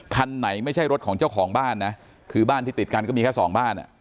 คันไหนไม่ใช่รถของเจ้าของบ้านนะคือบ้านที่ติดกันก็มีแค่สองบ้านอ่ะ